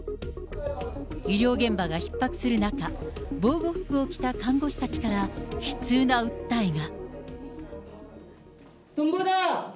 医療現場がひっ迫する中、防護服を着た看護師たちから悲痛な訴えが。